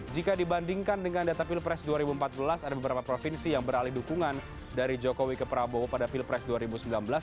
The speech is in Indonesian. jika dibandingkan dengan data pilpres dua ribu empat belas ada beberapa provinsi yang beralih dukungan dari jokowi ke prabowo pada pilpres dua ribu sembilan belas